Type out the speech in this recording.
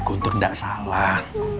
guntur gak salah